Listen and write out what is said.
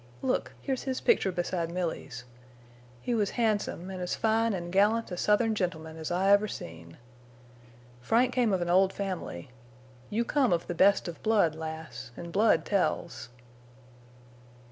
Look! Here's his picture beside Milly's. He was handsome, an' as fine an' gallant a Southern gentleman as I ever seen. Frank came of an old family. You come of the best of blood, lass, and blood tells."